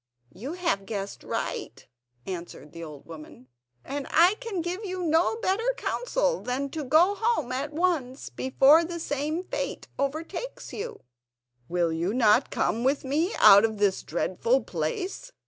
"You have guessed right," answered the old woman; "and I can give you no better counsel than to go home at once, before the same fate overtakes you." "Will you not come with me out of this dreadful place?"